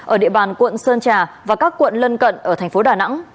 ở địa bàn quận sơn trà và các quận lân cận ở thành phố đà nẵng